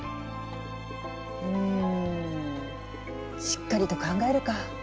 しっかりと考えるか。